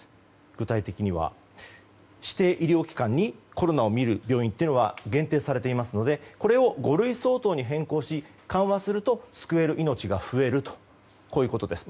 具体的には指定医療機関にコロナを診る病院は限定されていますのでこれを五類相当に変更し緩和すると救える命が増えるとこういうことです。